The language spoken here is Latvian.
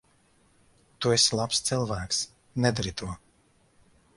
Tu esi labs cilvēks. Nedari to.